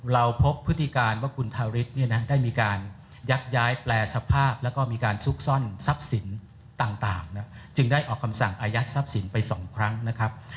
เราพบพฤติการว่าคุณทาริสเนี่ยนะได้มีการยักย้ายแปลสภาพแล้วก็มีการซุกซ่อนทรัพย์สินต่างนะจึงได้ออกคำสั่งอายัดทรัพย์สินไปสองครั้งนะครับ